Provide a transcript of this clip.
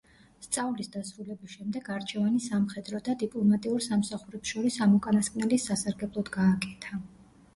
სწავლის დასრულების შემდეგ არჩევანი სამხედრო და დიპლომატიურ სამსახურებს შორის ამ უკანასკნელის სასარგებლოდ გააკეთა.